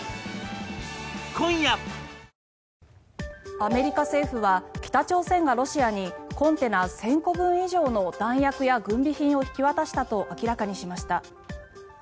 アメリカ政府は北朝鮮がロシアにコンテナ１０００個分以上の弾薬や軍備品を引き渡したと明らかにしました。